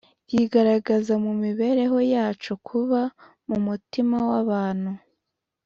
yigaragaza mu mibereho yacu, kuba mumutima w’abantu